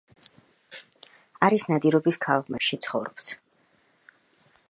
არის ნადირობის ქალღმერთი რომელიც სვანეთის თებში ცხოვრობს